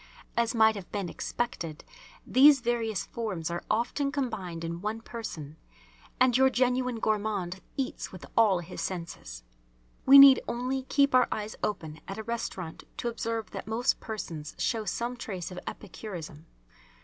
As might have been expected, these various forms are often combined in one person, and your genuine gourmand eats with all his senses. We need only keep our eyes open at a restaurant to observe that most persons show some trace of epicurism.